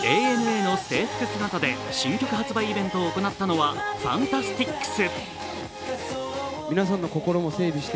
ＡＮＡの制服姿で新曲発売イベントを行ったのはＦＡＮＴＡＳＴＩＣＳ。